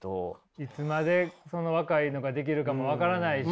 いつまでその若いのができるかも分からないし。